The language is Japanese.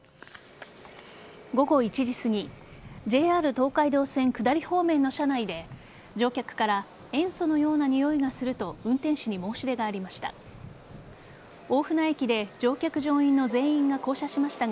午後１時すぎＪＲ東海道線下り方面の車内で乗客から塩素のような臭いがすると運転手に申し出がありました。